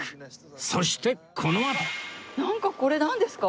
そしてこのあとなんかこれなんですか？